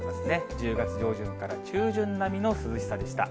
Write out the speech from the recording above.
１０月上旬から中旬並みの涼しさでした。